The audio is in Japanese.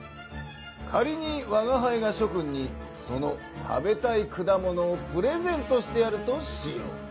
かりにわがはいがしょ君にその食べたい果物をプレゼントしてやるとしよう。